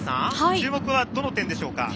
注目はどの点でしょうか？